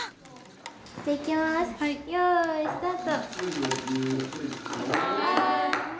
よいスタート！